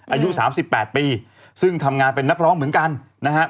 อายุ๓๘ปีซึ่งทำงานเป็นนักร้องเหมือนกันนะฮะ